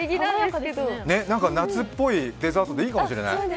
へえ、夏っぽいデザートでいいかもしれない。